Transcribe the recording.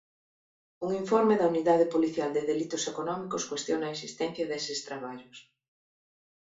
Un informe da Unidade policial de delitos económicos cuestiona a existencia deses traballos.